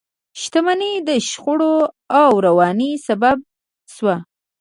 شتمنۍ د شخړو او ورانۍ سبب شوه.